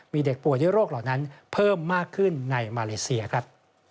มีเด็กป่วยด้วยโรคเหล่านั้นเพิ่มมากขึ้นในมาเลเซียครับ